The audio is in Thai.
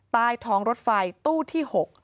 ใต้ท้องรถไฟตู้ที่๖